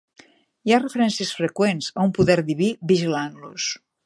Hi ha referències freqüents a un poder diví vigilant-los.